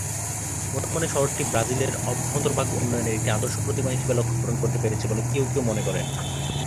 বর্তমানে শহরটি ব্রাজিলের অভ্যন্তরভাগ উন্নয়নের একটি আদর্শ প্রতিমা হিসেবে লক্ষ্য পূরণ করতে পেরেছে বলে কেউ কেউ মনে করেন।